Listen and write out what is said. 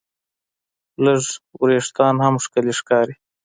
لږ وېښتيان هم ښکلي ښکاري.